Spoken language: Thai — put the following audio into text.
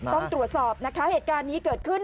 ต้องตรวจสอบนะคะเหตุการณ์นี้เกิดขึ้น